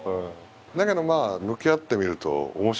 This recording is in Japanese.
だけどまあ向き合ってみると面白いしね。